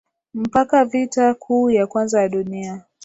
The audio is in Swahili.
mpaka Vita Kuu ya kwanza ya dunia